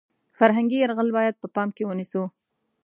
فرهنګي یرغل باید په پام کې ونیسو .